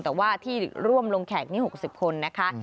แต่ว่าที่ร่วมลงแขกนี้๖๐คนนะคะ